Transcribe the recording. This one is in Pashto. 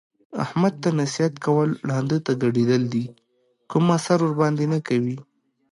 احمد ته نصیحت کول ړانده ته ګډېدل دي کوم اثر ورباندې نه کوي.